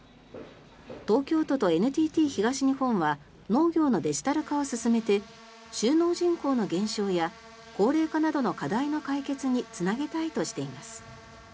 東京都とＮＴＴ東日本は農業のデジタル化を進めて就農人口の減少や高齢化などの課題の解決につなげたいとしています。